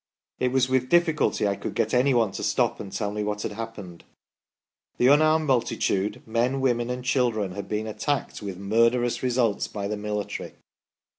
It was with difficulty I could get anyone to stop and tell me what had happened. The unarmed multitude, men, women and children, had been attacked with murderous results by the military."